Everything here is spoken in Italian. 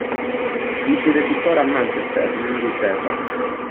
Risiede tuttora a Manchester, in Inghilterra.